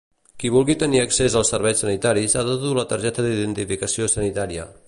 Qui vulgui tenir accés als serveis sanitaris ha de dur la targeta d'identificació sanitària.